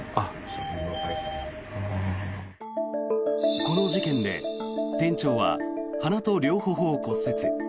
この事件で店長は鼻と両頬を骨折。